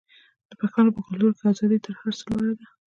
د پښتنو په کلتور کې ازادي تر هر څه لوړه ده.